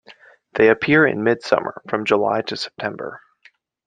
They appear in mid-summer, from July to September.